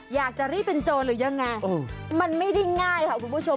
อยากจะรีบเป็นโจรหรือยังไงมันไม่ได้ง่ายค่ะคุณผู้ชม